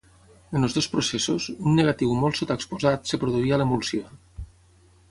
En els dos processos, un negatiu molt sota exposat es produïa a l’emulsió.